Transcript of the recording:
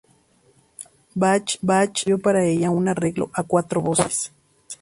Bach escribió para ella un arreglo a cuatro voces.